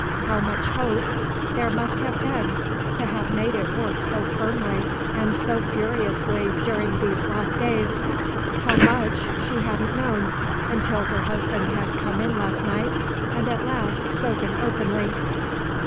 How much hope there must have been to have made it work so firmly and so furiously during these last days! how much, she hadn't known until her husband had come in last night, and, at last, spoken openly.